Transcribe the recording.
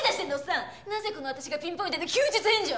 なぜこの私がピンポイントで休日返上！？